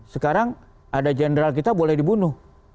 sekarang ada jenderal kita boleh dibunuh